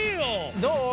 どう？